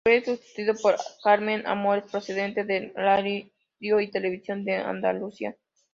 Fue sustituido por Carmen Amores, procedente de Radio y Televisión de Andalucía.